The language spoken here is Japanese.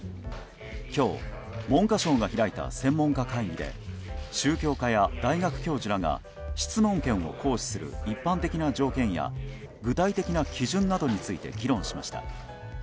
今日、文科省が開いた専門家会議で宗教家や大学教授らが質問権を行使する一般的な条件や具体的な基準などについて議論しました。